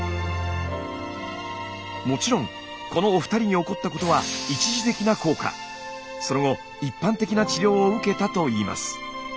もちろんこのお二人に起こったことはその後一般的な治療を受けたといいます。